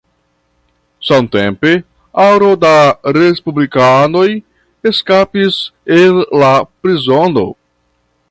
Samtempe aro da respublikanoj eskapis el la prizono.